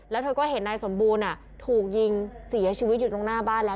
แล้วเธอก็เห็นนายสมบูรณ์ถูกยิงเสียชีวิตอยู่ตรงหน้าบ้านแล้ว